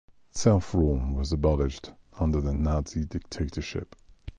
Self-rule was abolished under the Nazi dictatorship.